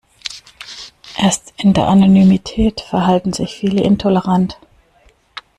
Erst in der Anonymität verhalten sich viele intolerant.